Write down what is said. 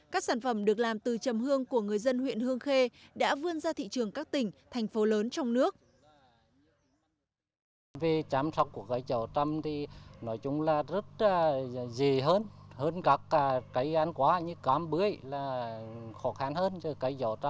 các sản phẩm được làm từ chầm hương của người dân huyện hương khê đã vươn ra thị trường các tỉnh thành phố lớn trong nước